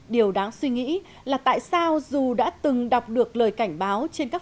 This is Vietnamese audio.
điều đáng suy nghĩ là tại sao dù đã từng đọc được lời cảnh báo trên các